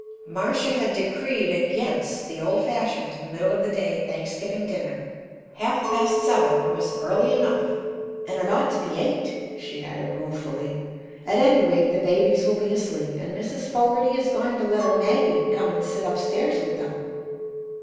Marcia had decreed against the old fashioned, middle of the day Thanksgiving dinner; half past seven was early enough. "And it ought to be eight," she added, ruefully. "At any rate, the babies will be asleep, and Mrs. Fogarty is going to let her Maggie come and sit upstairs with them.